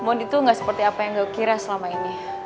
mondi tuh gak seperti apa yang gue kira selama ini